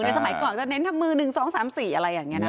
สมัยก่อนจะเน้นทำมือ๑๒๓๔อะไรอย่างนี้นะ